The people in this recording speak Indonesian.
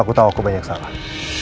aku tahu aku banyak salah